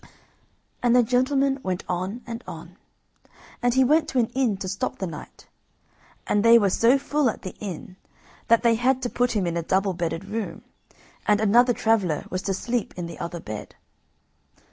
And the gentleman went on and on, and he went to an inn to stop the night, and they were so full at the inn that they had to put him in a double bedded room, and another traveller was to sleep in the other bed.